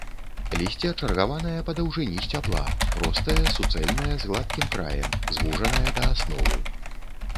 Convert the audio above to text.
Лісце чаргаванае па даўжыні сцябла, простае, суцэльнае, з гладкім краем, звужанае да асновы.